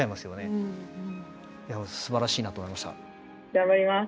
すばらしいなと思いました。